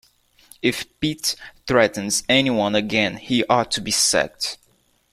If Pete threatens anyone again he ought to be sacked.